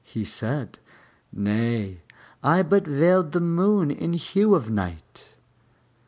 He said, "Nay, I but veil the Moon in hue of Night."